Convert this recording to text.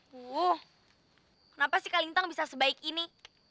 wuhh kenapa sih kak lintang bisa sebaik ini